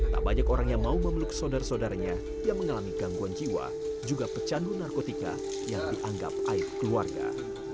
tak banyak orang yang mau memeluk saudara saudaranya yang mengalami gangguan jiwa juga pecandu narkotika yang dianggap aib keluarga